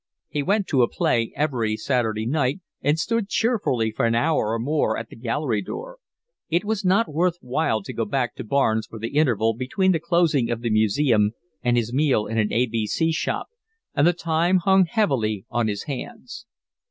He went to a play every Saturday night and stood cheerfully for an hour or more at the gallery door. It was not worth while to go back to Barnes for the interval between the closing of the Museum and his meal in an A. B. C. shop, and the time hung heavily on his hands.